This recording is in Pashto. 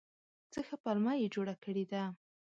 څه ښه پلمه یې جوړه کړې ده !